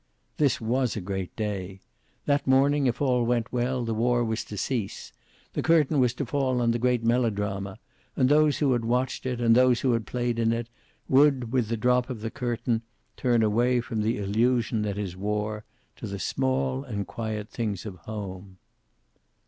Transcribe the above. This was a great day. That morning, if all went well, the war was to cease. The curtain was to fall on the great melodrama, and those who had watched it and those who had played in it would with the drop of the curtain turn away from the illusion that is war, to the small and quiet things of home.